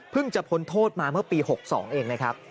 จะพ้นโทษมาเมื่อปี๖๒เองนะครับ